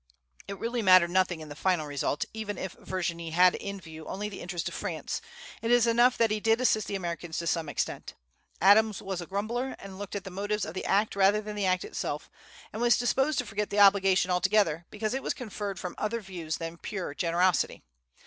It really mattered nothing in the final result, even if Vergennes had in view only the interests of France; it is enough that he did assist the Americans to some extent. Adams was a grumbler, and looked at the motives of the act rather than the act itself, and was disposed to forget the obligation altogether, because it was conferred from other views than pure generosity.